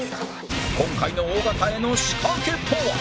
今回の尾形への仕掛けとは？